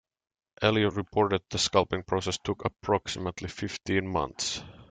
Elliott reported the sculpting process took approximately fifteen months.